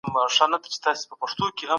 د بهرنیو چارو وزارت سیاسي بندیان نه ساتي.